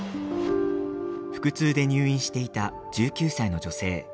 腹痛で入院していた１９歳の女性。